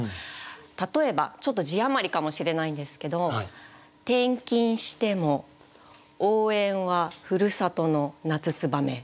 例えばちょっと字余りかもしれないんですけども「転勤しても応援は故郷の夏燕」。